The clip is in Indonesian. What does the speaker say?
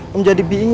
kamu jadi bingung nih